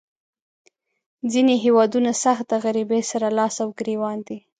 ځینې هیوادونه سخت د غریبۍ سره لاس او ګریوان دي.